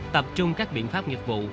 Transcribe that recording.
tập trung các biện pháp nghiệp vụ